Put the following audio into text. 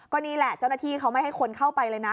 ก็นี่แหละเจ้าหน้าที่เขาไม่ให้คนเข้าไปเลยนะ